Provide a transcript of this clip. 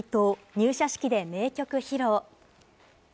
入社式で名曲披露。